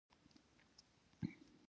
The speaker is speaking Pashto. دوی به د پولۍ ټک ته کېناستل.